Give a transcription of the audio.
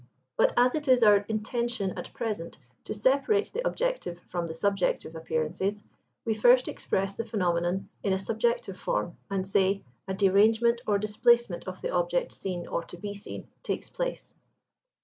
But as it is our intention at present to separate the objective from the subjective appearances, we first express the phenomenon in a subjective form, and say, a derangement or displacement of the object seen, or to be seen, takes place.